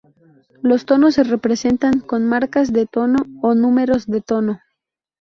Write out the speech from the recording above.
Los tonos se representan con marcas de tono o números de tono.